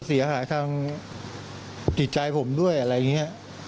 เสียหายทางจิตใจผมด้วยอะไรอย่างนี้